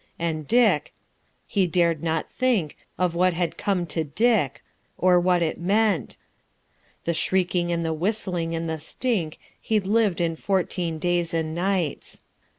And Dick.... He dared not think Of what had come to Dick.... or what it meant The shrieking and the whistling and the stink He'd lived in fourteen days and nights.